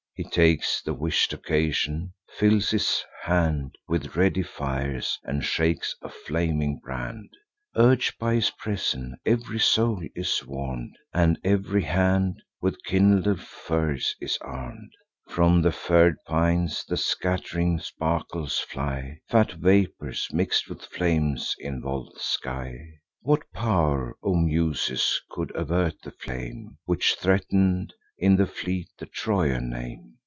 He takes the wish'd occasion, fills his hand With ready fires, and shakes a flaming brand. Urg'd by his presence, ev'ry soul is warm'd, And ev'ry hand with kindled fires is arm'd. From the fir'd pines the scatt'ring sparkles fly; Fat vapours, mix'd with flames, involve the sky. What pow'r, O Muses, could avert the flame Which threaten'd, in the fleet, the Trojan name?